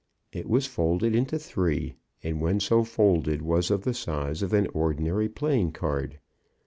It was folded into three, and when so folded, was of the size of an ordinary playing card.